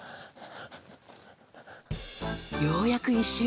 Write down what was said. ようやく１周。